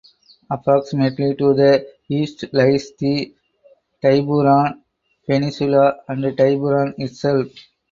Approximately to the east lies the Tiburon Peninsula (and Tiburon itself).